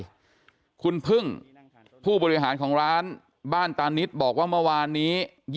คุณพึ่งผู้บริหารของร้านบ้านตานิดบอกว่าเมื่อวานนี้